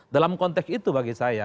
dalam konteks itu bagi saya